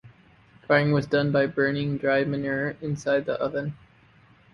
Firing was done by burning dried manure inside the oven.